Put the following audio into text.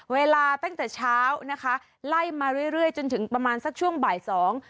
เวลาตั้งแต่เช้านะคะไล่มาเรื่อยเรื่อยจนถึงประมาณสักช่วงบ่ายสอง